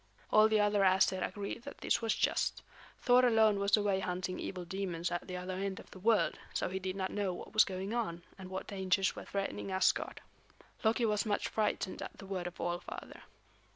All the other Æsir agreed that this was just. Thor alone was away hunting evil demons at the other end of the world, so he did not know what was going on, and what dangers were threatening Asgard. Loki was much frightened at the word of All Father.